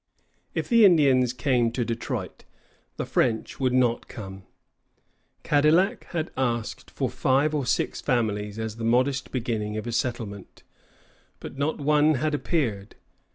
" If the Indians came to Detroit, the French would not come. Cadillac had asked for five or six families as the modest beginning of a settlement; but not one had appeared.